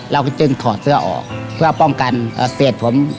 เราก็จึงถอดเสื้อออกเพื่อป้องกันเสียดผม